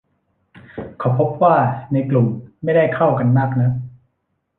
เขาพบว่าในกลุ่มไม่ได้เข้ากันมากนัก